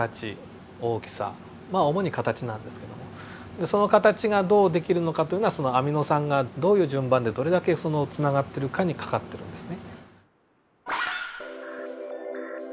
まあ主に形なんですけどもその形がどうできるのかというのはアミノ酸がどういう順番でどれだけつながっているかにかかってる訳ですね。